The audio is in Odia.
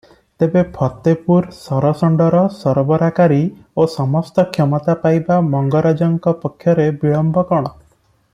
ତେବେ ଫତେପୂର ସରଷଣ୍ତର ସରବରାକାରୀ ଓ ସମସ୍ତ କ୍ଷମତା ପାଇବା ମଙ୍ଗରାଜଙ୍କ ପକ୍ଷରେ ବିଳମ୍ବ କଣ?